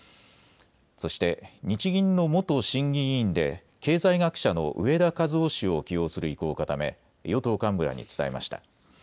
そして、日銀の元審議委員で、経済学者の植田和男氏を起用する意向を固め、与党幹部らに伝えました。